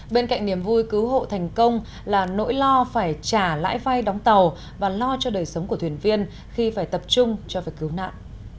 bên cạnh niềm vui cứu hộ thành công là nỗi lo phải trả lãi vai đóng tàu và lo cho đời sống của thuyền viên khi phải tập trung cho phải cứu nạn